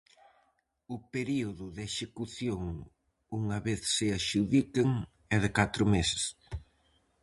O período de execución, unha vez se adxudiquen, é de catro meses.